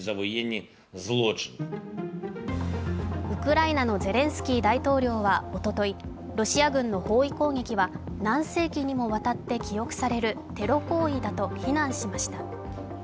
ウクライナのゼレンスキー大統領はおととい、ロシア軍の包囲攻撃は何世紀にもわたって記憶されるテロ行為だと非難しました。